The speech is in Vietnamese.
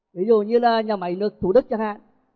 ví dụ như là nhà máy nước thủ đức chẳng hạn